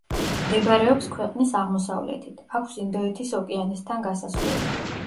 მდებარეობს ქვეყნის აღმოსავლეთით, აქვს ინდოეთის ოკეანესთან გასასვლელი.